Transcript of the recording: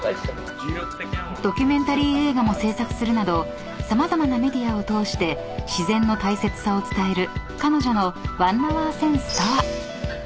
［ドキュメンタリー映画も制作するなど様々なメディアを通して自然の大切さを伝える彼女の］